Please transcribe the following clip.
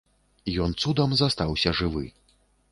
Ён цудам застаўся жывы.